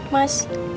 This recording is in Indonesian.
makasih banyak ya